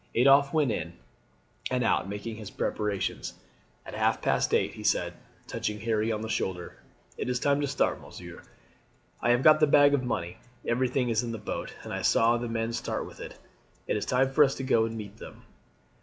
Adolphe went in and out making his preparations. At half past eight he said, touching Harry on the shoulder: "It is time to start, monsieur. I have got the bag of money. Everything is in the boat, and I saw the men start with it. It is time for us to go and meet them."